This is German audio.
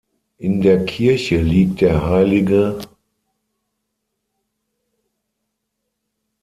In der Kirche liegt der hl.